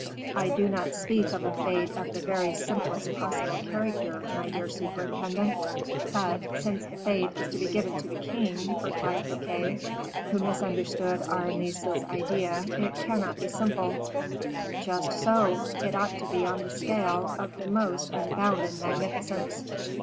"I do not speak of a fete of the very simplest possible character, my dear superintendent." "But, since the fete is to be given to the king," replied Fouquet, who misunderstood Aramis's idea, "it cannot be simple." "Just so: it ought to be on a scale of the most unbounded magnificence."